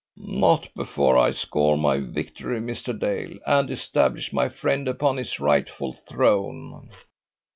"Not before I score my victory, Mr. Dale, and establish my friend upon his rightful throne."